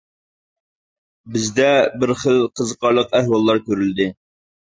بىزدە بىر خىل قىزىقارلىق ئەھۋاللار كۆرۈلدى.